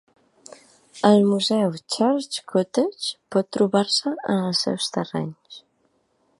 El Museu Church Cottage pot trobar-se en els seus terrenys.